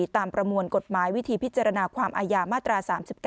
ประมวลกฎหมายวิธีพิจารณาความอาญามาตรา๓๙